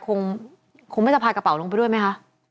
คงไม่จะพากระเป๋าลงไปด้วยไหมคะ